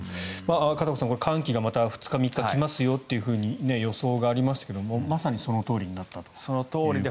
片岡さん、寒気が２日、３日来ますよという予想がありましたけどまさにそのとおりになったということですね。